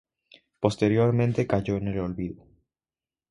Posteriormente cayó en el olvido.